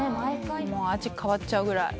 もう味変わっちゃうぐらい